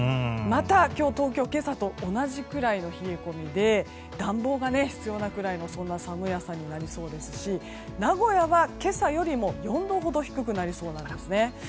また今日、東京は今朝と同じくらいの冷え込みで暖房が必要なくらいの寒い朝になりそうですし名古屋は今朝よりも４度ほど低くなりそうなんですね。